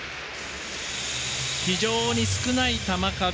非常に少ない球数。